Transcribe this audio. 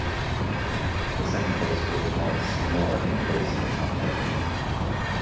The second place was once more a place in the top ten.